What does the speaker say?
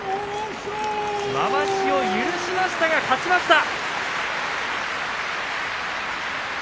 まわしを許しましたが勝ちました。